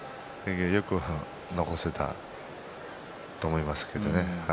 よく残せたと思いますね。